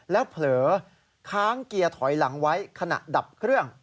แล้วเผลอค้างเกียร์ถอยหลังไว้ขณะดับเครื่อง